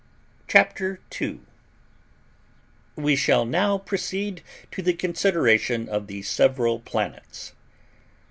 CHAPTER II We shall now proceed to the consideration of the several planets.